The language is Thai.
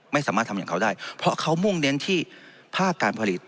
ไม่สามารถทำอย่างเขาได้เพราะเขามุ่งเน้นที่ภาคการผลิต